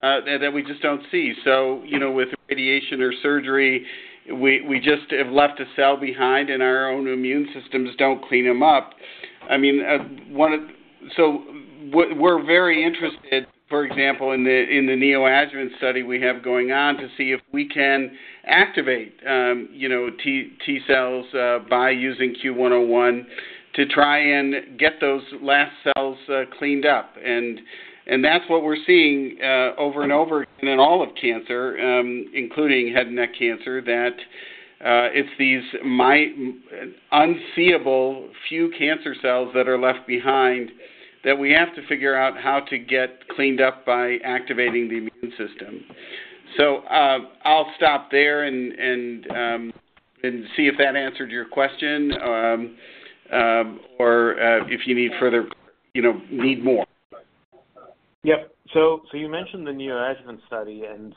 that we just don't see. You know, with radiation or surgery, we just have left a cell behind and our own immune systems don't clean them up. I mean, we're very interested, for example, in the Neoadjuvant study we have going on to see if we can activate T-cells by using CUE-101 to try and get those last cells cleaned up. That's what we're seeing over and over in all of cancer, including head and neck cancer, that it's these unseeable few cancer cells that are left behind that we have to figure out how to get cleaned up by activating the immune system. I'll stop there and see if that answered your question or if you need further, you know, need more. Yep. You mentioned the Neoadjuvant study and,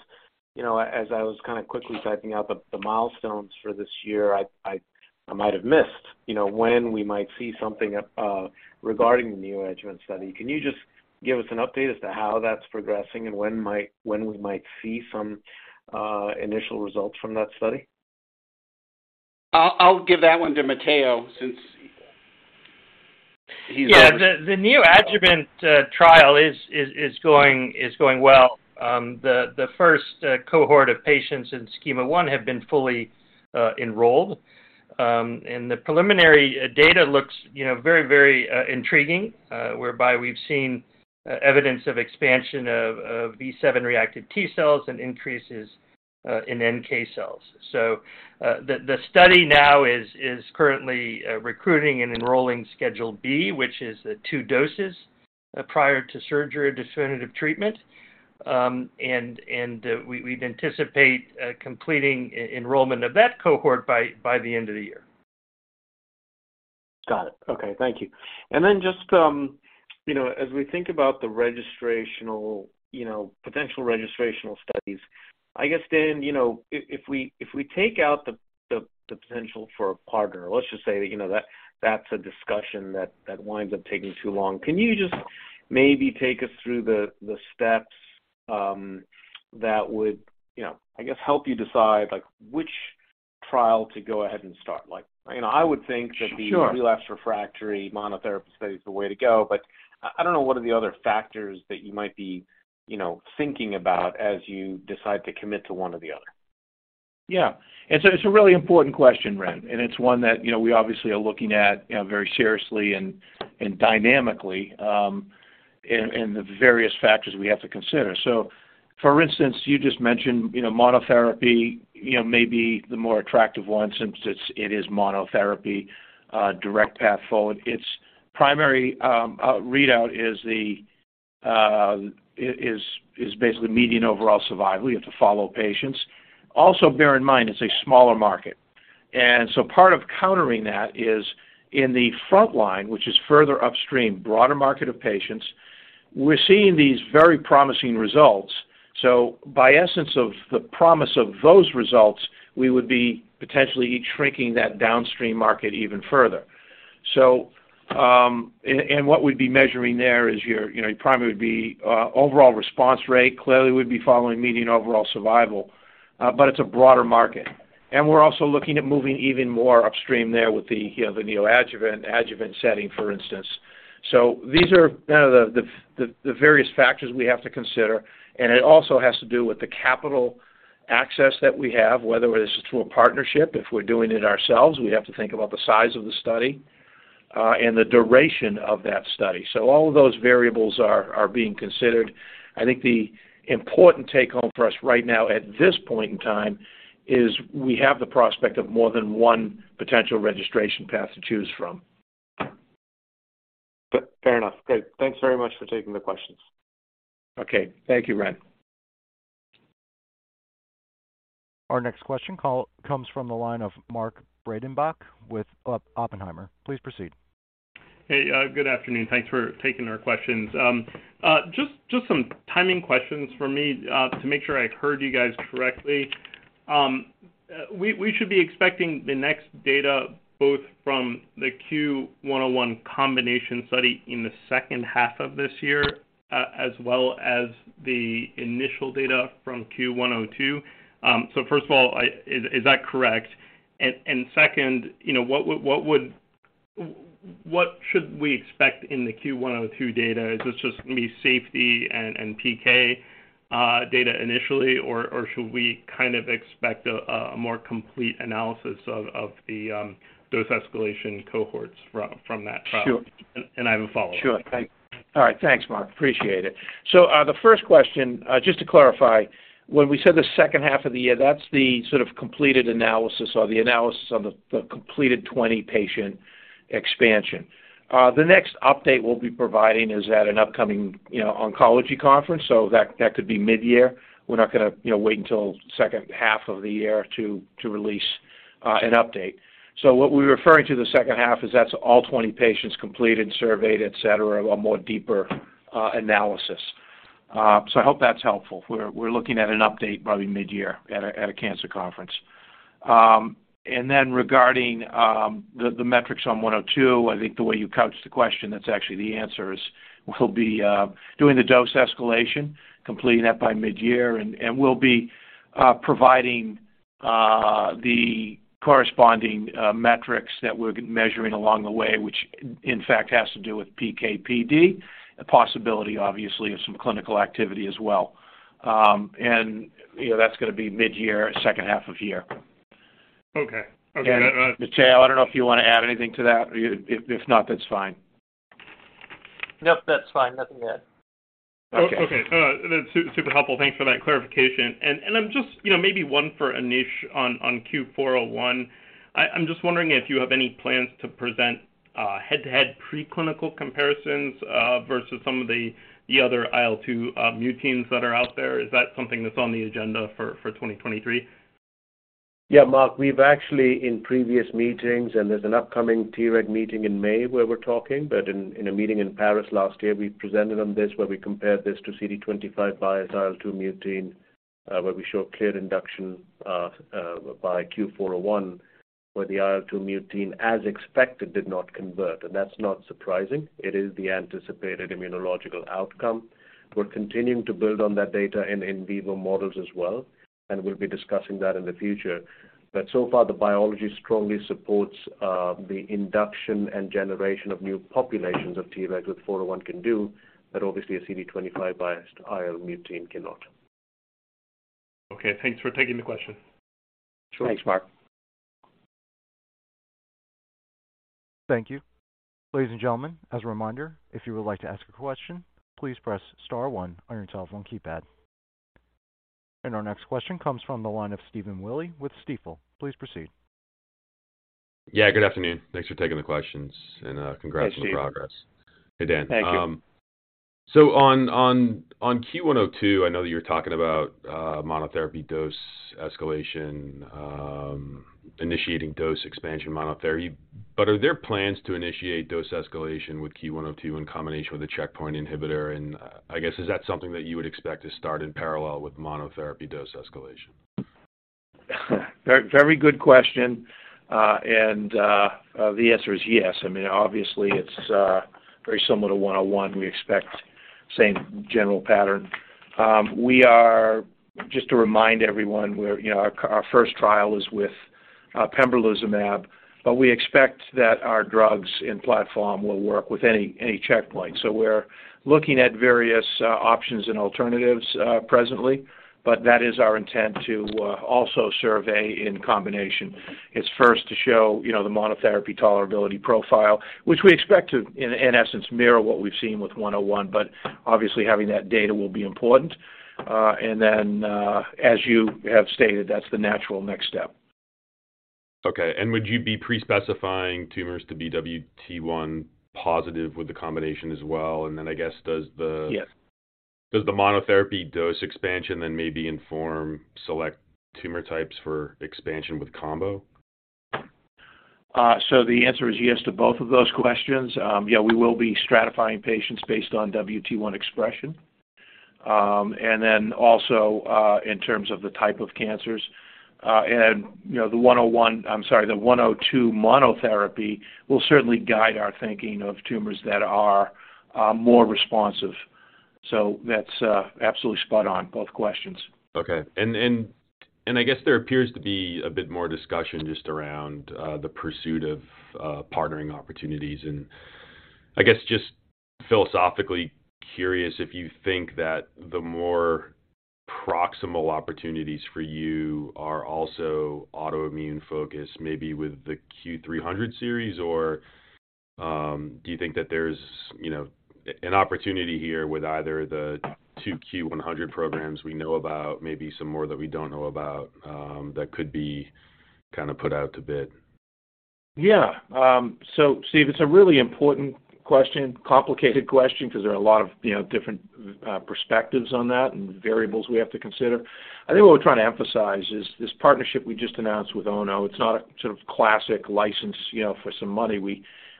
you know, as I was kind of quickly typing out the milestones for this year, I might have missed, you know, when we might see something regarding the Neoadjuvant study. Can you just give us an update as to how that's progressing and when we might see some initial results from that study? I'll give that one to Matteo since he's. Yeah. The Neoadjuvant trial is going well. The first cohort of patients in schema 1 have been fully enrolled. The preliminary data looks, you know, very intriguing, whereby we've seen evidence of expansion of E7 T-cells and increases in NK cells. The study now is currently recruiting and enrolling schedule B, which is the two doses prior to surgery or definitive treatment. We'd anticipate completing e-enrollment of that cohort by the end of the year. Got it. Okay. Thank you. Just, you know, as we think about the registrational, you know, potential registrational studies, I guess then, you know, if we take out the potential for a partner, let's just say that, you know, that's a discussion that winds up taking too long. Can you just maybe take us through the steps, that would, you know, I guess help you decide, like, which trial to go ahead and start? Like, you know, I would think that. Sure. relapsed refractory monotherapy study is the way to go. I don't know, what are the other factors that you might be, you know, thinking about as you decide to commit to one or the other? Yeah. It's a, it's a really important question, Ren. It's one that, you know, we obviously are looking at, you know, very seriously and dynamically, and the various factors we have to consider. For instance, you just mentioned, you know, monotherapy, you know, may be the more attractive one since it is monotherapy, direct path forward. Its primary readout is the is basically median overall survival. We have to follow patients. Also, bear in mind, it's a smaller market. Part of countering that is in the front line, which is further upstream, broader market of patients, we're seeing these very promising results. By essence of the promise of those results, we would be potentially shrinking that downstream market even further. What we'd be measuring there is your, you know, it probably would be overall response rate. Clearly, we'd be following median overall survival. It's a broader market. We're also looking at moving even more upstream there with the, you know, the Neoadjuvant, adjuvant setting, for instance. These are kind of the various factors we have to consider, and it also has to do with the capital access that we have, whether it's through a partnership. If we're doing it ourselves, we have to think about the size of the study, and the duration of that study. All of those variables are being considered. I think the important take-home for us right now at this point in time is we have the prospect of more than one potential registration path to choose from. Fair enough. Great. Thanks very much for taking the questions. Okay. Thank you, Ren. Our next question comes from the line of Mark Breidenbach with Oppenheimer. Please proceed. Hey, good afternoon. Thanks for taking our questions. Just some timing questions from me to make sure I heard you guys correctly. We should be expecting the next data both from the CUE-101 combination study in the second half of this year, as well as the initial data from CUE-102. First of all, is that correct? Second, you know, what should we expect in the CUE-102 data? Is this just gonna be safety and PK data initially, or should we kind of expect a more complete analysis of the dose escalation cohorts from that trial? Sure. I have a follow-up. Sure. All right. Thanks, Mark. Appreciate it. The first question, just to clarify, when we said the second half of the year, that's the sort of completed analysis or the analysis of the completed 20-patient expansion. The next update we'll be providing is at an upcoming, you know, oncology conference, so that could be midyear. We're not gonna, you know, wait until second half of the year to release an update. What we're referring to the second half is that's all 20 patients completed, surveyed, et cetera, a more deeper analysis. I hope that's helpful. We're looking at an update probably midyear at a cancer conference. Then regarding the metrics on 102, I think the way you couched the question, that's actually the answer is we'll be doing the dose escalation, completing that by midyear, and we'll be providing the corresponding metrics that we're measuring along the way, which in fact has to do with PK/PD, a possibility obviously of some clinical activity as well. You know, that's gonna be midyear, second half of year. Okay. Okay. Matteo, I don't know if you wanna add anything to that. If, if not, that's fine. Nope, that's fine. Nothing to add. Okay. Okay. That's super helpful. Thanks for that clarification. I'm just, you know, maybe one for Anish on CUE-401. I'm just wondering if you have any plans to present head-to-head preclinical comparisons versus some of the other IL-2 muteins that are out there. Is that something that's on the agenda for 2023? Yeah, Mark, we've actually in previous meetings. There's an upcoming Treg meeting in May where we're talking. In a meeting in Paris last year, we presented on this where we compared this to CD25 by IL-2 mutein, where we show clear induction by CUE-401, where the IL-2 mutein, as expected, did not convert. That's not surprising. It is the anticipated immunological outcome. We're continuing to build on that data in in vivo models as well, and we'll be discussing that in the future. So far, the biology strongly supports the induction and generation of new populations of Treg with 401 can do, but obviously a CD25-biased IL-2 mutein cannot. Okay. Thanks for taking the question. Sure. Thanks, Mark. Thank you. Ladies and gentlemen, as a reminder, if you would like to ask a question, please press star one on your telephone keypad. Our next question comes from the line of Stephen Willey with Stifel. Please proceed. Yeah, good afternoon. Thanks for taking the questions. Hey, Steve. Congrats on the progress. Hey, Dan. Thank you. On CUE-102, I know that you're talking about monotherapy dose escalation, initiating dose expansion monotherapy. Are there plans to initiate dose escalation with CUE-102 in combination with a checkpoint inhibitor? I guess, is that something that you would expect to start in parallel with monotherapy dose escalation? Very, very good question. The answer is yes. I mean, obviously, it's very similar to 101. We expect same general pattern. Just to remind everyone, we're, you know, our first trial is with pembrolizumab, but we expect that our drugs in platform will work with any checkpoint. We're looking at various options and alternatives presently, but that is our intent to also survey in combination. It's first to show, you know, the monotherapy tolerability profile, which we expect to, in essence, mirror what we've seen with 101, but obviously having that data will be important. Then, as you have stated, that's the natural next step. Okay. Would you be pre-specifying tumors to be WT1 positive with the combination as well? I guess, does the- Yes. Does the monotherapy dose expansion then maybe inform select tumor types for expansion with combo? The answer is yes to both of those questions. Yeah, we will be stratifying patients based on WT1 expression, and then also in terms of the type of cancers. You know, the one oh one... I'm sorry, the one oh two monotherapy will certainly guide our thinking of tumors that are more responsive. That's absolutely spot on, both questions. Okay. and I guess there appears to be a bit more discussion just around the pursuit of partnering opportunities. I guess just philosophically curious if you think that the more proximal opportunities for you are also autoimmune-focused, maybe with the CUE-300 series, or, do you think that there's, you know, an opportunity here with either the two CUE-100 programs we know about, maybe some more that we don't know about, that could be kinda put out to bid? Yeah. Steve, it's a really important question, complicated question, 'cause there are a lot of, you know, different, perspectives on that and variables we have to consider. I think what we're trying to emphasize is this partnership we just announced with Ono, it's not a sort of classic license, you know, for some money.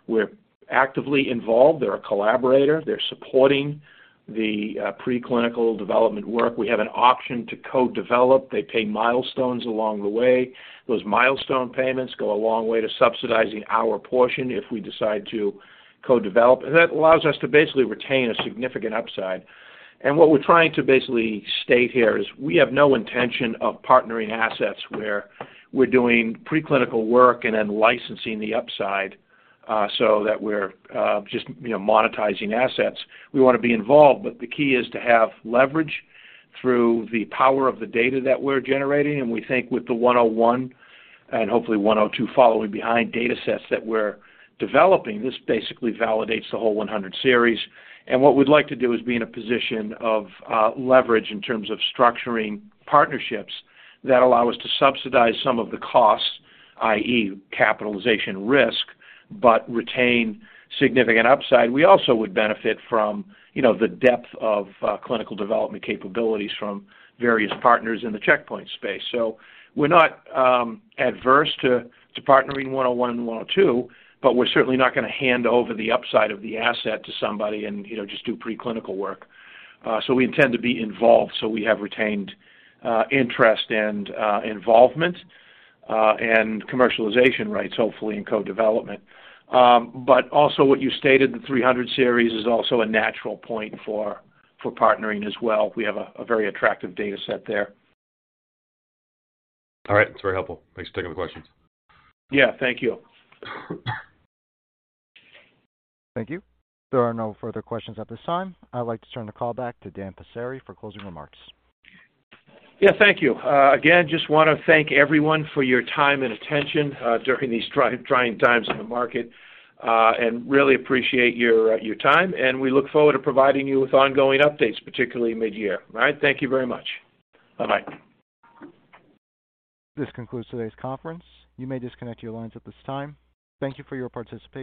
We're actively involved. They're a collaborator. They're supporting the preclinical development work. We have an option to co-develop. They pay milestones along the way. Those milestone payments go a long way to subsidizing our portion if we decide to co-develop. That allows us to basically retain a significant upside. What we're trying to basically state here is we have no intention of partnering assets where we're doing preclinical work and then licensing the upside, so that we're, just, you know, monetizing assets. We wanna be involved, but the key is to have leverage through the power of the data that we're generating. We think with the CUE-101, and hopefully CUE-102 following behind data sets that we're developing, this basically validates the whole CUE-100 series. What we'd like to do is be in a position of leverage in terms of structuring partnerships that allow us to subsidize some of the costs, i.e., capitalization risk, but retain significant upside. We also would benefit from, you know, the depth of clinical development capabilities from various partners in the checkpoint space. We're not adverse to partnering CUE-101 and CUE-102, but we're certainly not gonna hand over the upside of the asset to somebody and, you know, just do preclinical work. We intend to be involved, we have retained interest and involvement and commercialization rights, hopefully in co-development. Also what you stated, the 300 series is also a natural point for partnering as well. We have very attractive data set there. All right. That's very helpful. Thanks for taking the questions. Yeah, thank you. Thank you. There are no further questions at this time. I'd like to turn the call back to Dan Passeri for closing remarks. Yeah, thank you. again, just wanna thank everyone for your time and attention, during these trying times in the market, and really appreciate your time, and we look forward to providing you with ongoing updates, particularly mid-year. All right? Thank you very much. Bye-bye. This concludes today's conference. You may disconnect your lines at this time. Thank you for your participation.